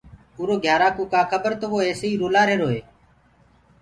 اُرو گھيارآ ڪوُ ڪآ کبر تو وو ايسي ئي رُلآ رهيرو هي۔